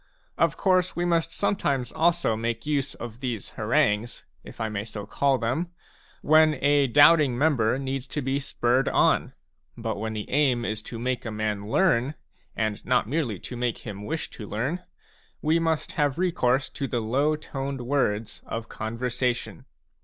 Of course we must sometimes also make use of these harangues, if I may so call them, when a doubting member needs to be spurred on ; but when the aim is to make a man learn, and not merely to make him wish to learn, we must have recourse to the low toned words of conversation.